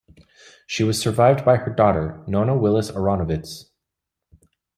She was survived by her daughter, Nona Willis-Aronowitz.